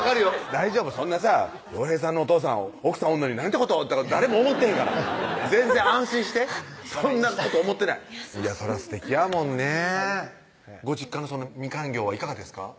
大丈夫そんなさ「陽平さんのお父さん奥さんおんのになんてこと」とか誰も思ってへんから全然安心してそんなこと思ってないそらすてきやもんねご実家のみかん業はいかがですか？